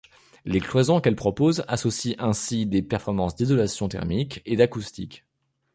Les cloisons qu'elle propose associent ainsi des performances d'isolation thermique et d'acoustique.